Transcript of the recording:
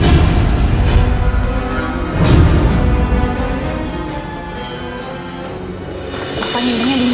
apanya ini yang dimana